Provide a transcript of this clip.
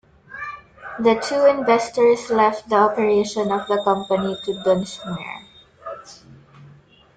The two investors left the operation of the company to Dunsmuir.